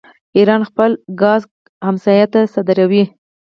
ایران خپل ګاز ګاونډیانو ته صادروي.